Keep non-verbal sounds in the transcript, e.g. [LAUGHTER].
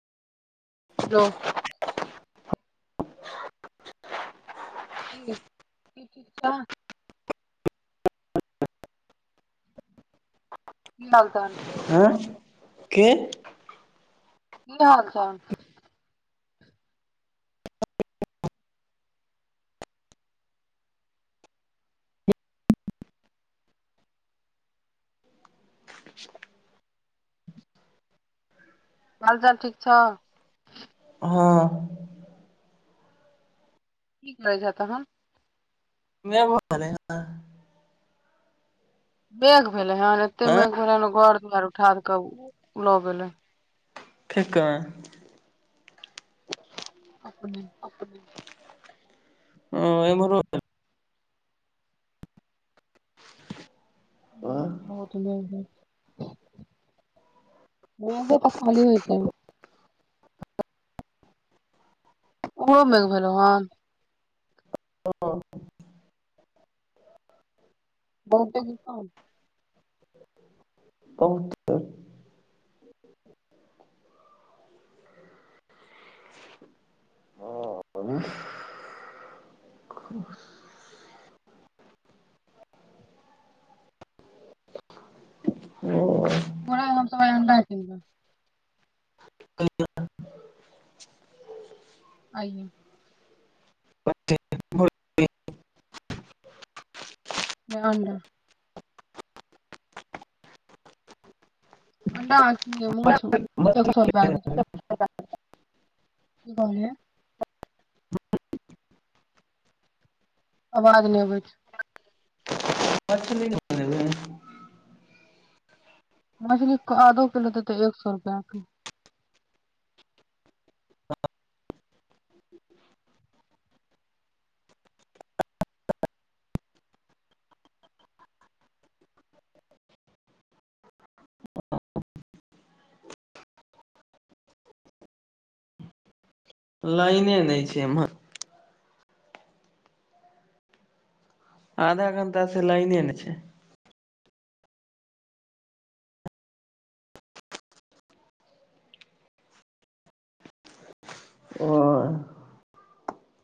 रो कि [INAUDIBLE] ठिक छै की हाल ताल हँ के की हाल चाल हालचाल ठीक छौ हँ की करै छै तहन? नय [INAUDIBLE] मेघ भेलै हन एते हँ मेघ भेलैन घर दुआरि उठार कऽ लऽ गेलै खेेक अपने ह एमहरो आ [UNINTELLIGIBLE] मेघो तऽ खालीए छै ओमहरो मेघ भेलौ हन हँ [INAUDIBLE] बहुते कि कम? बहुते। ह ओना हम सब आइ अंडा कीनलौं। आइये। नै अंडा। अण्डा आ माछ एक सौ रुपया के दैत रहै। कि कहलियै? अबाज नै अबै छै। प्च अ हमरा सब के आधो किलो देतै एक सौ रुपया के। लाइने नै छै एम्हर। आधा घण्टा सँ लाइने ने छै। ओ